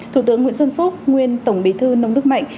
thủ tướng nguyễn xuân phúc nguyên tổng bí thư nông đức mạnh